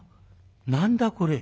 何だ？これ」。